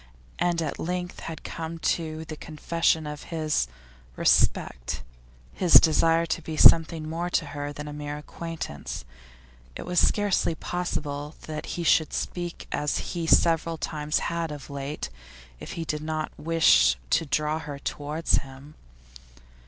And at length had come the confession of his 'respect,' his desire to be something more to her than a mere acquaintance. It was scarcely possible that he should speak as he several times had of late if he did not wish to draw her towards him.